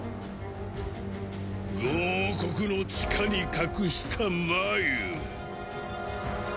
５王国の地下に隠した繭。